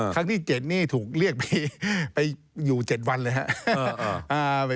ครั้งที่๗นี่ถูกเรียกไปอยู่๗วันเลยครับ